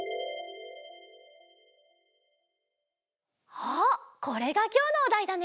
あっこれがきょうのおだいだね？